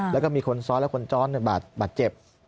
แล้วก็มีคนซ้อนและคนซ้อนบาดเจ็บ